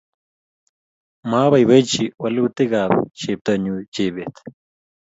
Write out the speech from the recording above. Mabaibaichi walutikab cheotonyu chebet